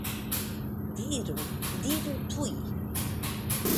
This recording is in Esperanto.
Diru, diru tuj!